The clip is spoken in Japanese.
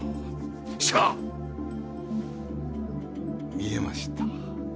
見えました。